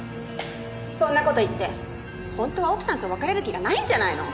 そんな事言って本当は奥さんと別れる気がないんじゃないの？